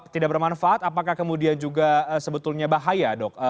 tidak bermanfaat apakah kemudian juga sebetulnya bahaya dok